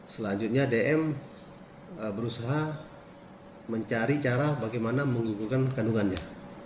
selanjutnya dm berusaha mencari cara bagaimana mengguguhkan kandungannya